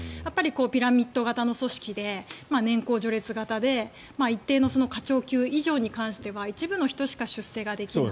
ピラミッド型の組織で年功序列型で一定の課長級以上に関しては一部の人しか出世ができない。